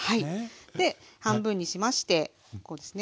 で半分にしましてこうですね